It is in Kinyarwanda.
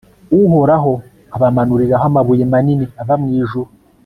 uhoraho abamanuriraho amabuye manini ava mu ijuru